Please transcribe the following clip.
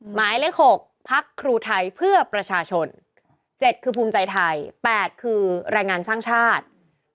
หมายเลข๖พักครูไทยเพื่อประชาชน๗คือภูมิใจไทย๘คือแรงงานสร้างชาติ